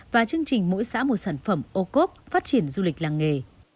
và chương trình mỗi xã một sản phẩm ô cốp phát triển du lịch làng nghề